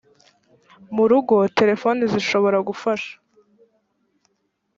mu rugo terefoni zishobora gufasha